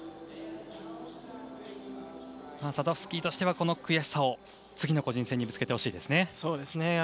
サドフスキーとしてはこの悔しさを次の個人戦にぶつけてほしいです。